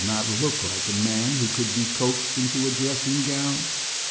not look like a man who could be coaxed into a dressing gown.